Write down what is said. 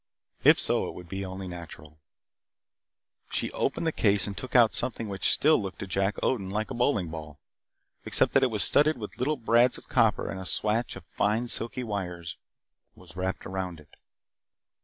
If so, it would only be natural. She opened the case and took out something which still looked to Jack Odin like a bowling ball except that it was studded with little brads of copper and a swatch of fine, silky wires was wrapped around it.